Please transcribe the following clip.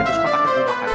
dua kotaknya kamu makan